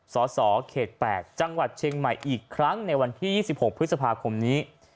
สสเขต๘จังหวัดเชียงใหม่อีกครั้งในวันที่๒๖พฤษภาคมนี้